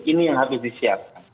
ini yang harus disiapkan